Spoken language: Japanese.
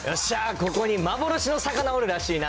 ここに幻の魚おるらしいな。